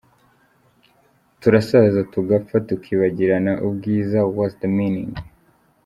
Turasaza tugapfa tukibagirana ubwiza what’s the meaning???.